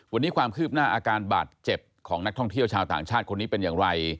วันนี้ความคืบหน้าอาการบาดเจ็บของนักท่องเที่ยวชาวต่างชาติคนนี้เป็นอย่างไร